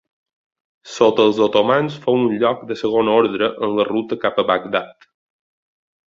Sota els otomans fou un lloc de segon ordre en la ruta cap a Bagdad.